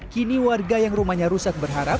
kini warga yang rumahnya rusak berharap